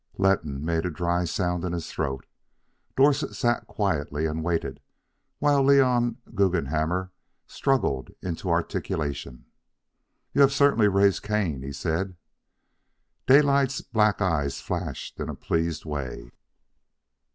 Letton made a dry sound in his throat. Dowsett sat quietly and waited, while Leon Guggenhammer struggled into articulation. "You have certainly raised Cain," he said. Daylight's black eyes flashed in a pleased way.